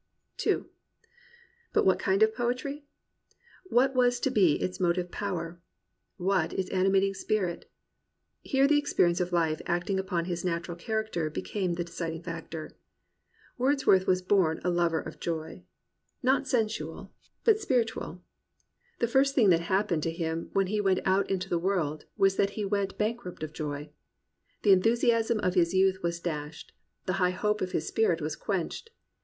n But what kind of poetry.'' What was to be its motive power.? What its animating spirit? Here the experience of hfe acting upon his natural char acter became the deciding factor. Wordsworth was born a lover of joy, not sensual, 199 COMPANIONABLE BOOKS but spiritual. The first thing that happened to him, when he went out into the world, was that he went bankrupt of joy. The enthusiasm of his youth was dashed, the high hope of his spirit was quenched.